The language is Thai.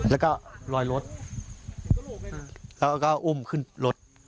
แล้วก็ลอยรถเขาก็อุ้มขึ้นรถ